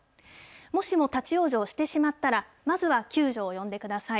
もしも立往生してしまったら、まずは救助を呼んでください。